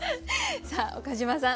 さあ岡島さん